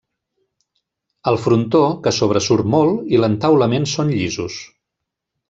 El frontó, que sobresurt molt, i l'entaulament són llisos.